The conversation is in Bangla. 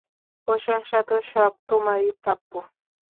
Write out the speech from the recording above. প্রশংসা তো সব তোমারই প্রাপ্য।